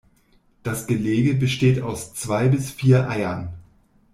Das Gelege besteht aus zwei bis vier Eiern.